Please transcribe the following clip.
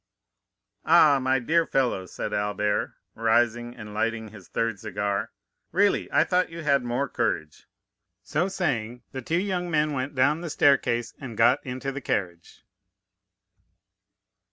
"Ah, my dear fellow," said Albert, rising, and lighting his third cigar, "really, I thought you had more courage." So saying, the two young men went down the staircase, and got into the carriage.